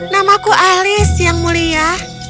namaku alice yang mulia